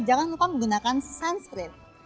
jangan lupa menggunakan sanskrit